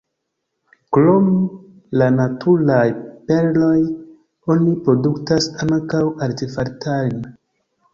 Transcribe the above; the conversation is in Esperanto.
Krom la naturaj perloj oni produktas ankaŭ artefaritajn.